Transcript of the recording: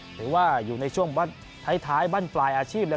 หรือว่าในช่วงพัฒน์ท้ายบ้านฝ่ายอาชีพ